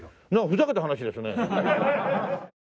ふざけた話ですね。